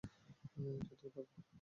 এটাই তোর ভাগ্য।